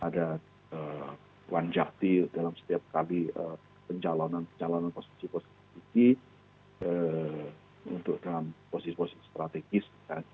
ada wanjakti dalam setiap kali pencalonan pencalonan posisi posisi untuk dalam posisi posisi strategis